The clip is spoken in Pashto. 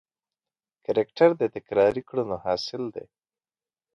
کرکټر د تکراري کړنو حاصل دی.